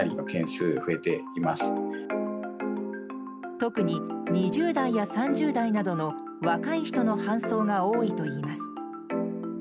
特に２０代や３０代などの若い人の搬送が多いといいます。